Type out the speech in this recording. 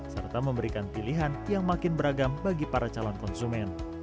serta memberikan pilihan yang makin beragam bagi para calon konsumen